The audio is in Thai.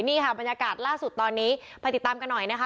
นี่ค่ะบรรยากาศล่าสุดตอนนี้ไปติดตามกันหน่อยนะคะ